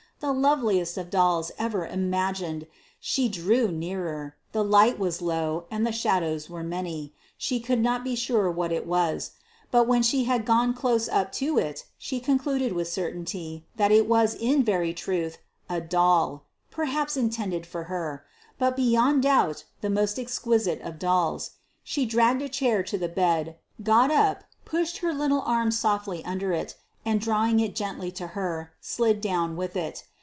The loveliest of dolls ever imagined! She drew nearer. The light was low, and the shadows were many: she could not be sure what it was. But when she had gone close up to it, she concluded with certainty that it was in very truth a doll perhaps intended for her but beyond doubt the most exquisite of dolls. She dragged a chair to the bed, got, up, pushed her little arms softly under it, and drawing it gently to her, slid down with it.